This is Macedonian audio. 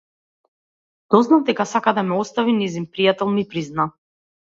Дознав дека сака да ме остави, нејзин пријател ми призна.